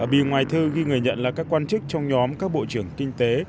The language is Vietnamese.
ở bì ngoài thư ghi người nhận là các quan chức trong nhóm các bộ trưởng kinh tế